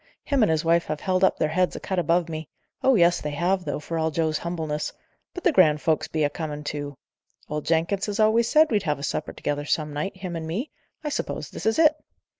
Him and his wife have held up their heads a cut above me oh yes, they have, though, for all Joe's humbleness but the grand folks be a coming to. Old Jenkins has always said we'd have a supper together some night, him and me; I suppose this is it.